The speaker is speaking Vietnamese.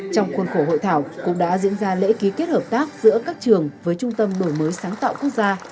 trong khuôn khổ hội thảo cũng đã diễn ra lễ ký kết hợp tác giữa các trường với trung tâm đổi mới sáng tạo quốc gia